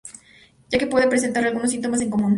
Ya que pueden presentar algunos síntomas en común.